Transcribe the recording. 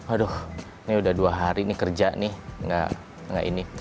aduh ini udah dua hari nih kerja nih nggak ini